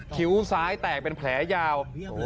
คิ้วซ้ายแตกเป็นแผลยาว